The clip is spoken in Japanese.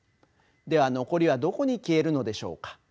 では残りはどこに消えるのでしょうか。